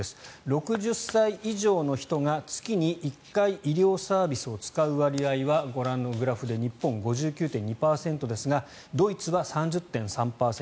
６０歳以上の人が月に１回医療サービスを使う割合はご覧のグラフで日本、５９．２％ですがドイツは３０．３％